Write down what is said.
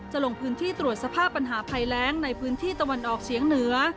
ลงพื้นที่ตรวจสภาพปัญหาภัยแรงในพื้นที่ตะวันออกเฉียงเหนือ